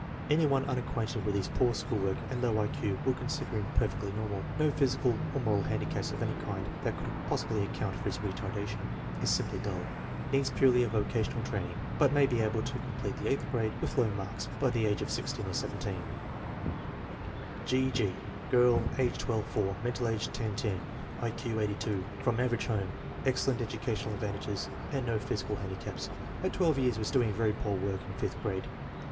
Any one unacquainted with his poor school work and low I Q would consider him per fectly normal. No physical or moral handicaps of any kind that could possibly account for his retardation. Is simply dull. Needs purely a vocational training, but may be able to complete the eighth grade with low marks by the age of 16 or 17. G. G. Girl, age 12 fc mental age 10 10; I Q 82. From average home. Excellent educational advantages and no physical handi caps. At 12 years was doing very poor work in fifth grade.